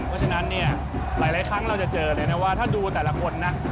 เพราะฉะนั้นเนี่ยหลายครั้งเราจะเจอเลยนะว่าถ้าดูแต่ละคนนะ